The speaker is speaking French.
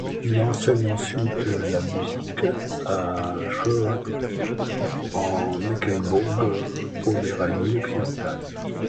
Il enseigne ensuite la musique à Schwerin en Mecklembourg-Poméranie-Occidentale.